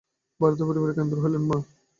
ভারতে পরিবারের কেন্দ্র হইলেন মা।